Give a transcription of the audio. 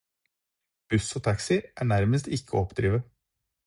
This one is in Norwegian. Buss og taxi er nærmest ikke å oppdrive.